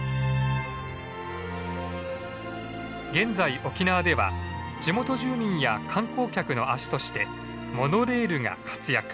現在沖縄では地元住民や観光客の足としてモノレールが活躍。